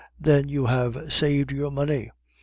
"'Then you have saved your money.